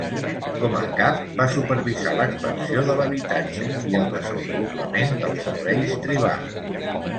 Com a cap va supervisar l'expansió de l'habitatge i el desenvolupament dels serveis tribals.